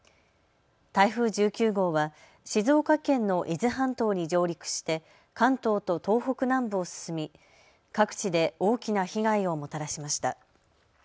台風１９号は静岡県の伊豆半島に上陸して関東と東北南部を進み各地で大きな被害をもたらしました。